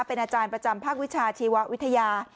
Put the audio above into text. เป็นอาจารย์ประจำภาควิชาชีววิทยา